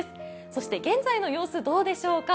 そして現在の様子、どうでしょうか？